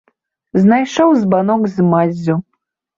Знайшоў збанок з маззю.